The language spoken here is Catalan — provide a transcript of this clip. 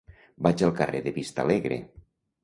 Vaig al carrer de Vistalegre.